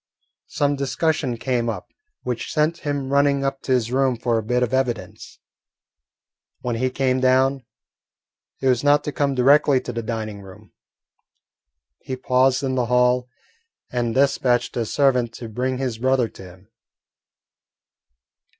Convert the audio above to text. Some discussion came up which sent him running up to his room for a bit of evidence. When he came down it was not to come directly to the dining room. He paused in the hall and despatched a servant to bring his brother to him.